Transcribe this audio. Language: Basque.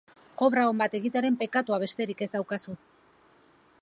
Obra on bat egitearen pekatua besterik ez daukazu.